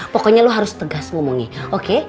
pokoknya lu harus tegas ngomongnya oke